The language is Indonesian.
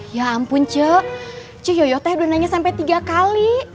ya ampun ce ce yoyote udah nanya sampe tiga kali